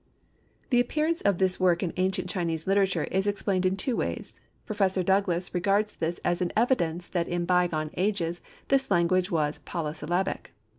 The appearance of this work in ancient Chinese literature is explained in two ways. Prof. Douglas regards this as an evidence that in by gone ages this language was polysyllabic.